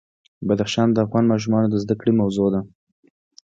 بدخشان د افغان ماشومانو د زده کړې موضوع ده.